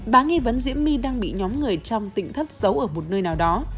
bà nghi vấn diễm my đang bị nhóm người trong tỉnh thất giấu ở một nơi nào đó